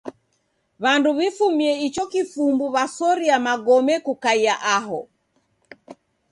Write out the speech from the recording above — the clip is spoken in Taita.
W'andu w'ifumie icho kifumbu w'asoria magome kukaia aho.